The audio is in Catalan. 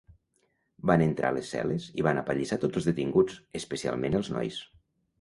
Van entrar a les cel·les i van apallissar tots els detinguts, especialment els nois.